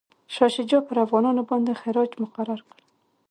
شاه شجاع پر افغانانو باندي خراج مقرر کړ.